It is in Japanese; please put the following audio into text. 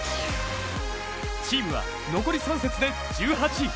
チームは残り３節で１８位。